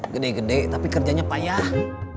gede gede tapi kerjanya payah